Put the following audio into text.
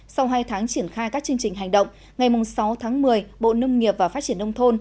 sau hai tháng triển khai các chương trình hành động ngày sáu tháng một mươi bộ nông nghiệp và phát triển nông thôn